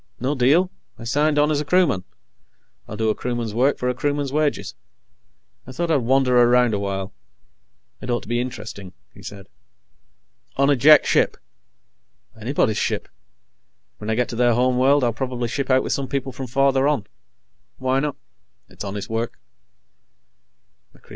"No deal. I signed on as a crewman. I'll do a crewman's work for a crewman's wages. I thought I'd wander around a while. It ought to be interesting," he said. "On a Jek ship." "Anybody's ship. When I get to their home world, I'll probably ship out with some people from farther on. Why not? It's honest work."